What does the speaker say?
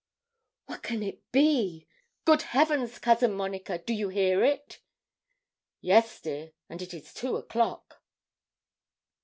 'What can it be? Good Heavens, Cousin Monica, do you hear it?' 'Yes, dear; and it is two o'clock.'